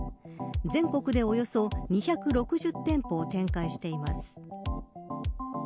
全国でおよそ２６０店舗を展開しています。